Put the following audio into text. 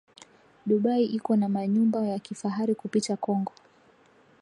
Dubayi iko na manyumba ya kifahari kupita kongo